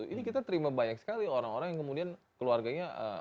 ini kita terima banyak sekali orang orang yang kemudian keluarganya